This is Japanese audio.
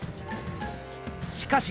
しかし！